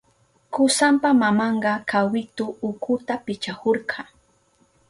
Kusanpa mamanka kawitu ukuta pichahurka.